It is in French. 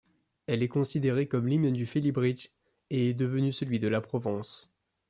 Elle est considérée comme l'hymne du Felibrige, et est devenu celui de la Provence.